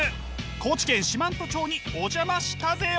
高知県四万十町にお邪魔したぜよ！